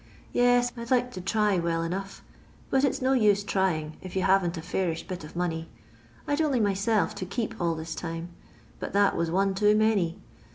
Yes, I 'd like to try well enough, but it 's no use trying if you haven't a fairish bit of money. I 'd only myself to keep all this time, but that was one too many.